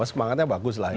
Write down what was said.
semangatnya bagus lah ya